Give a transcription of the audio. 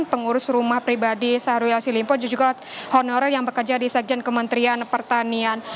pengurus rumah pribadi syahrul yassin limpo dan juga honorer yang bekerja di sekjen kementerian pertanian